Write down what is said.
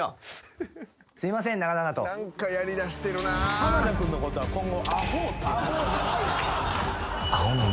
濱田君のことは今後。